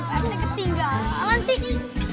ate ketinggalan sih